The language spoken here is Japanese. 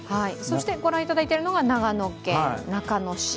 そして、御覧いただいているのが長野県中野市。